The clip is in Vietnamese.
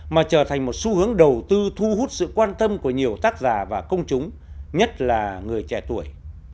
mà trở thành một xu hướng đầu tư thu hút sự quan tâm của nhiều tác giả và công chúng nhất là người trẻ tuổi